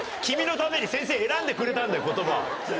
君のために先生選んでくれたんだよ言葉。